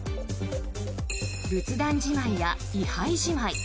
仏壇じまいや位牌じまい